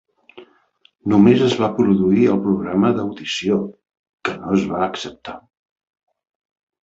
Només es va produir el programa d'audició, que no es va acceptar.